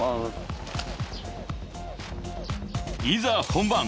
［いざ本番］